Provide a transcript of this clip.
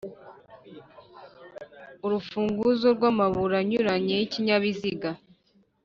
Urufunguzo rw’amaburo anyuranye y’ikinyabiziga